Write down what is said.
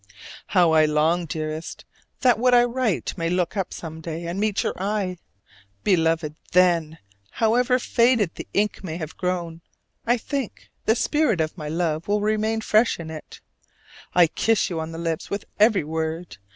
How I long, dearest, that what I write may look up some day and meet your eye! Beloved, then, however faded the ink may have grown, I think the spirit of my love will remain fresh in it: I kiss you on the lips with every word.